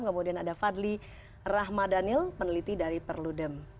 kemudian ada fadli rahmadanil peneliti dari perludem